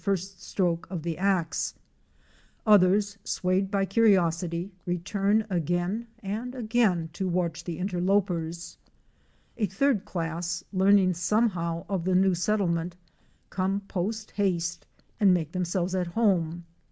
I71 first stroke of the axe; others, swayed by curiosity, return again and again to watch the interlopers. A third class, learning somehow of the new settlement, come post haste and make themselves at home.